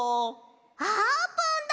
あーぷんだ！